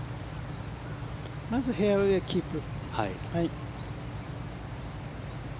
まずフェアウェーキープ。